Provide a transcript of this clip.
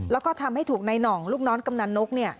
แล้วก็ทำให้ถูกในหน่องลูกน้องกำนันนก